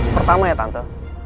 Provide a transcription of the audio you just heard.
pertama ya tante